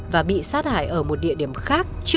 và bị sát hại ở một địa điểm khác